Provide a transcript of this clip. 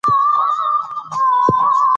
ملالۍ یادېږي.